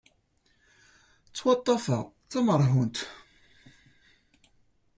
Ttwaṭṭfeɣ d tamerhunt.